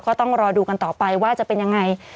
ก็ต้องรอดูกันต่อไปว่าจะเป็นยังไง